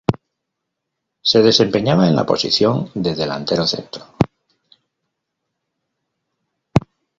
Se desempeñaba en la posición de delantero centro.